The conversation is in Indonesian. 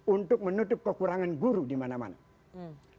untuk menutup kekurangan guru dimana mana